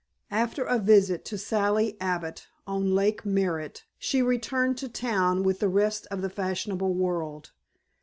After a visit to Sally Abbott on Lake Merritt, she returned to town with the rest of the fashionable world.